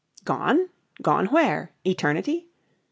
"Gone? Gone where? Eternity?"